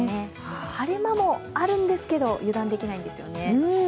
晴れ間もあるんですけど、油断できないんですよね。